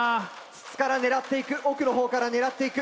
筒から狙っていく奥のほうから狙っていく。